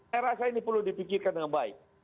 saya rasa ini perlu dipikirkan dengan baik